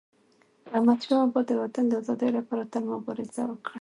احمدشاه بابا د وطن د ازادی لپاره تل مبارزه وکړه.